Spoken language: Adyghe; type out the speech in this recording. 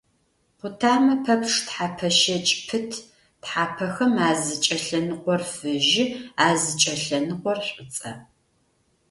Къутамэ пэпчъ тхьэпэ щэкӀ пыт, тхьапэхэм азыкӀэлъэныкъор фыжьы, азыкӀэлъэныкъор шӀуцӀэ.